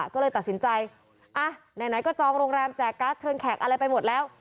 ก็เลยตัดสินใจอ่ะไหนก็จองโรงแรมแจกการ์ดเชิญแขกอะไรไปหมดแล้ว